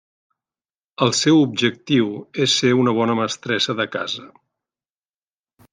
El seu objectiu és ser una bona mestressa de casa.